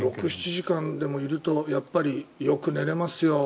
６７時間でもいると本当によく寝れますよ